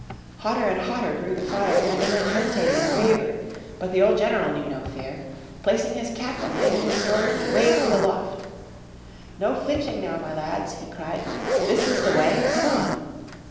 Hotter and hotter grew the fire, and the men hesitated and wavered. But the old general knew no fear. Placing his cap on the end of his sword, he waved it aloft. "No flinching now, my lads," he cried. "This is the way. Come on!"